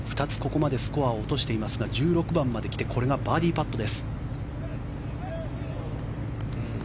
ここまでスコアを落としていますが１６番まで来てバーディーパット。